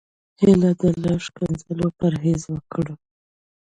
هيله ده له ښکنځلو پرهېز وکړو.